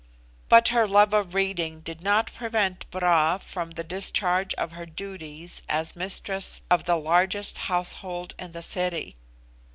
But her love of reading did not prevent Bra from the discharge of her duties as mistress of the largest household in the city.